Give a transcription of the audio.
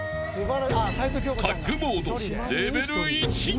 タッグモードレベル１。